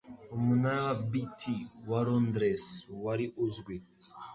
Umunara wa Bt wa Londres Wari Uzwi